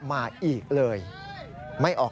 มันก็เลี่ยวส่วน